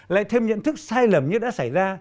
lại thêm nhận thức sai lầm như đã xảy ra